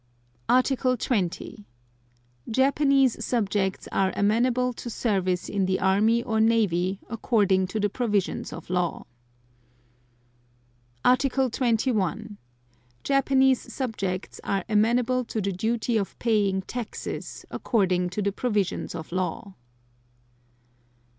Article 20. Japanese subjects are amenable to service in the Army or Navy, according to the provisions of law. Article 21. Japanese subjects are amenable to the duty of paying taxes, according to the provisions of law.